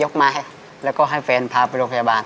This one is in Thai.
ไม้แล้วก็ให้แฟนพาไปโรงพยาบาล